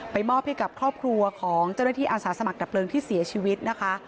มอบให้กับครอบครัวของเจ้าหน้าที่อาสาสมัครดับเลิงที่เสียชีวิตนะคะ